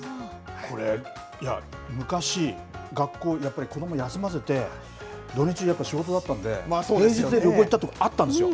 これ、昔、学校、やっぱり子ども休ませて、土日やっぱ、仕事だったんで、平日に旅行行ったときあったんですよ。